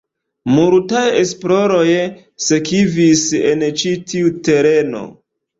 Multaj esploroj sekvis en ĉi tiu tereno.